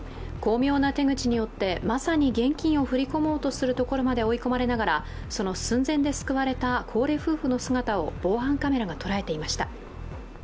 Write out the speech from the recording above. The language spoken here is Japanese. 巧妙な手口によってまさに現金を振り込む寸前まで追い込まれながらその寸前で救われた高齢夫婦の姿を防犯カメラが捉えていました。